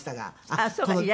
あっそうか。